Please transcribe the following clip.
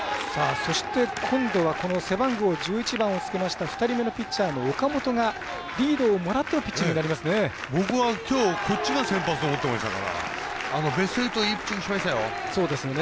そして、今度は背番号１１番を着けました２人目のピッチャーの岡本がリードをもらってのピッチングとなりますね。